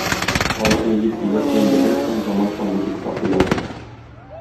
Алар милли көйләр белән беррәттән заманча музыка да куя.